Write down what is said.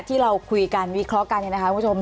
ที่เราคุยกันวิเคราะห์กัน